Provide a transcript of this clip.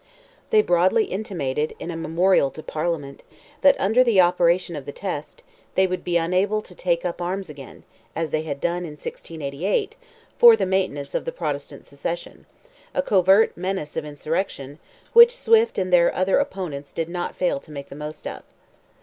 They broadly intimated, in a memorial to Parliament, that under the operation of the test, they would be unable to take up arms again, as they had done in 1688, for the maintenance of the Protestant succession; a covert menace of insurrection, which Swift and their other opponents did not fail to make the most of.